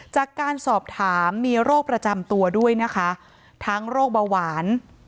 จากการสอบถามมีโรคประจำตัวด้วยนะคะทั้งโรคเบาหวาน